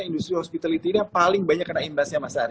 industri hospitality ini yang paling banyak kena imbasnya mas ari